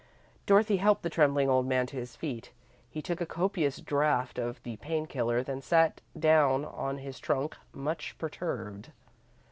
Dorothy helped the trembling old man to his feet. He took a copious draught from the pain killer, then sat down on his trunk, much perturbed.